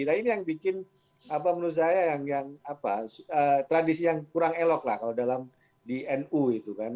nah ini yang bikin apa menurut saya yang tradisi yang kurang elok lah kalau dalam di nu itu kan